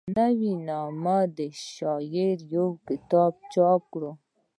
پۀ نوم د شاعرۍ يو کتاب چاپ کړو،